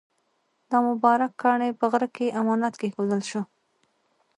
دا مبارک کاڼی په غره کې امانت کېښودل شو.